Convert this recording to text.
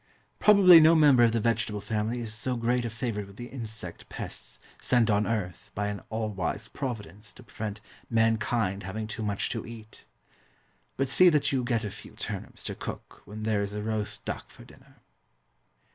Probably no member of the vegetable family is so great a favourite with the insect pests sent on earth by an all wise Providence to prevent mankind having too much to eat. But see that you get a few turnips to cook when there is roast duck for dinner.